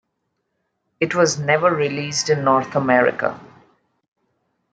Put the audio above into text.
It was never released in North America.